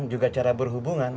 dan juga cara berhubungan